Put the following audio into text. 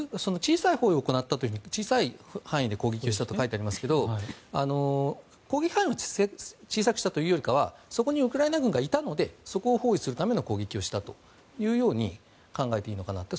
だから小さい範囲で攻撃をしたと書いてありますが攻撃範囲を小さくしたというよりかはそこにウクライナ軍がいたのでそこを包囲するための攻撃をしたというように考えていいのかなと。